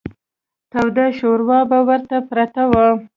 توده شوروا به ورته پرته وه.